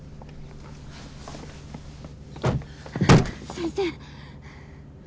先生！